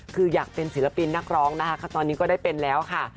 คืออยากเป็นศิลปินนักร้องนะคะตอนนี้ก็ได้เป็นแล้วค่ะ